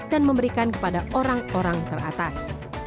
memberikan kepada orang orang teratas